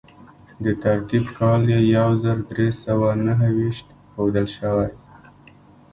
د ترتیب کال یې یو زر درې سوه نهه ویشت ښودل شوی.